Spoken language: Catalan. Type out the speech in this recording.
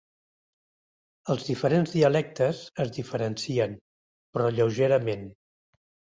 Els diferents dialectes es diferencien, però lleugerament.